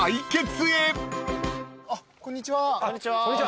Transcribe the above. こんにちは。